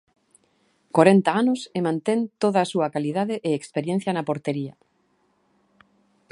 Corenta anos e mantén toda a súa calidade e experiencia na portería.